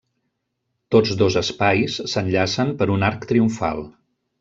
Tots dos espais s'enllacen per un arc triomfal.